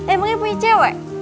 emangnya punya cewek